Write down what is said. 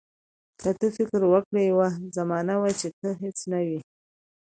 که ته فکر وکړې یوه زمانه وه چې ته هیڅ نه وې.